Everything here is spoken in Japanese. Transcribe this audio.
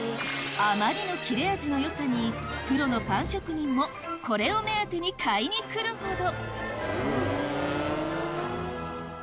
あまりの切れ味のよさにプロのパン職人もこれを目当てに買いに来るほど